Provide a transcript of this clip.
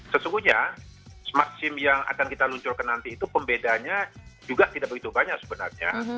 sesungguhnya smart sim yang akan kita luncurkan nanti itu pembedanya juga tidak begitu banyak sebenarnya